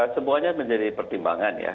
semuanya menjadi pertimbangan ya